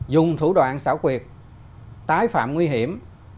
dùng thủ đoạn xảo quyệt tái phạm nguy hiểm